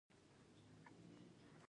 د خوړو خوندیتوب شته؟